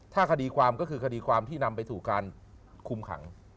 ถ้าคดีความก็คือคดีความที่นำไปสู่การคุมขัง